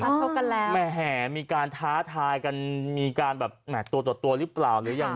ชกกันแล้วแหมมีการท้าทายกันมีการแบบแห่ตัวต่อตัวหรือเปล่าหรือยัง